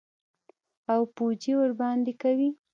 او پوجي ورباندي کوي.